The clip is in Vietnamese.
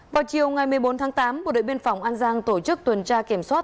vào chiều ngày một mươi bốn tháng tám bộ đội biên phòng an giang tổ chức tuần tra kiểm soát